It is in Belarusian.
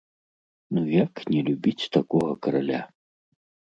Ну як не любіць такога караля?!